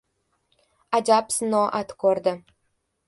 Ajab sinoat ko‘rdi: